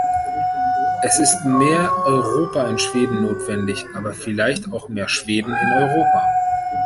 Es ist mehr Europa in Schweden notwendig, aber vielleicht auch mehr Schweden in Europa.